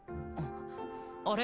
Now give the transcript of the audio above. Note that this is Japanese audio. あれ？